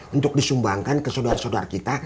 untuk disumbangkan ke saudara saudara kita